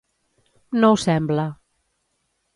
No ho sembla